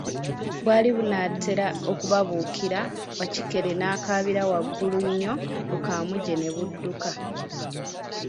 Bwali bunatera okubabukira, Wakikere n'akabira waggulu nnyo bukamuje ne budduka.